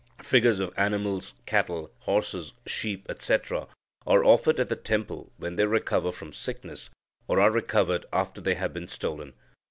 Figures of animals cattle, horses, sheep, etc. are offered at the temple when they recover from sickness, or are recovered after they have been stolen.